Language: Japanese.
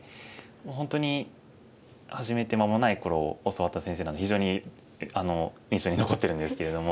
もう本当に始めて間もない頃教わった先生なんで非常に印象に残ってるんですけれども。